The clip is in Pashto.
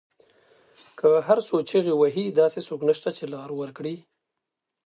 که هر څو چیغې وهي داسې څوک نشته، چې لار ورکړی